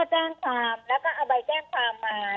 แจ้งความแล้วก็เอาใบแจ้งความมา